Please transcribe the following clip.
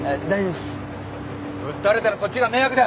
ぶっ倒れたらこっちが迷惑だ。